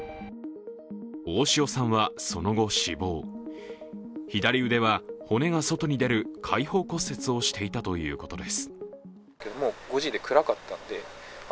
大塩さんはその後死亡左腕は骨が外に出る開放骨折をしていたということです。